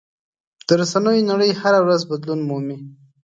د رسنیو نړۍ هره ورځ بدلون مومي.